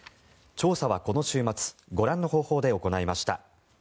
調査はこの週末ご覧の方法で行いました。